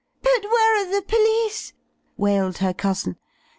"But where are the police?" wailed her cousin.